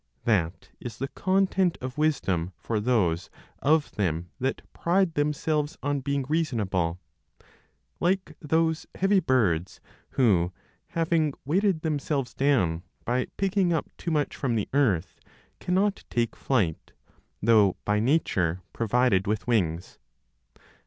That is the content of wisdom for those of them that pride themselves on being reasonable; like those heavy birds who, having weighted themselves down by picking up too much from the earth, cannot take flight, though by nature provided with wings.